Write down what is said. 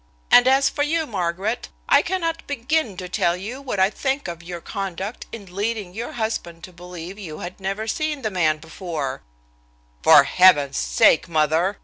And as for you, Margaret, I cannot begin to tell you what I think of your conduct in leading your husband to believe you had never seen the man before " "For heaven's sake, mother!"